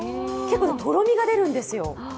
とろみが出るんですよ。